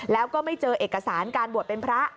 แล้วก็ไม่เจอเอกสารการบวชเป็นพระ